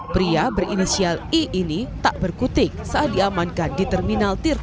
pria berinisial i ini tak berkutik saat diamankan di terminal tirta